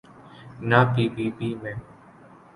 نہ P P P میں۔